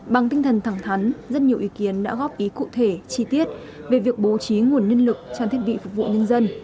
bằng tinh thần thẳng thắn rất nhiều ý kiến đã góp ý cụ thể chi tiết về việc bố trí nguồn nhân lực trang thiết bị phục vụ nhân dân